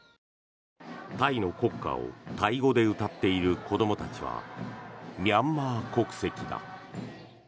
タイの国歌をタイ語で歌っている子どもたちはミャンマー国籍だ。